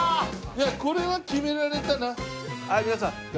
いやこれは決められたな。